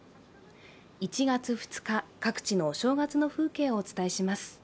１月２日、各地のお正月の風景をお伝えします。